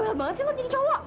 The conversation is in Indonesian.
bahaya banget sih lo jadi cowok